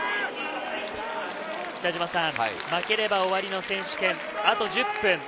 負ければ終わりの選手権、あと１０分。